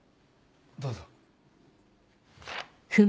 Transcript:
どうぞ。